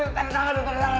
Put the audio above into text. tengok tangan tengok tangan